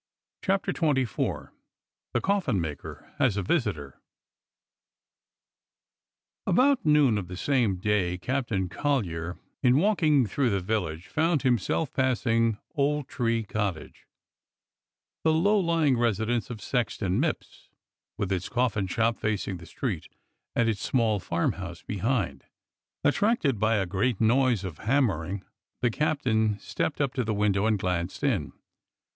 CHAPTER XXIV THE COFFIN MAKER HAS A VISITOR j4 BOUT noon of the same day Captain Collyer, /% in walking through the village, found himself X JL passing Old Tree Cottage, the low lying resi dence of Sexton Mipps, with its coffin shop facing the street and its small farmhouse behind. Attracted by a great noise of hammering, the captain stepped up to the window and glanced in.